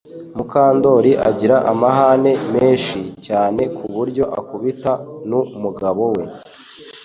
mukandoli agira amahane meshi cyane kuburyo akubita nu mugabo we